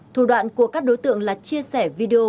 thủ đoạn của các đối tượng là chia sẻ video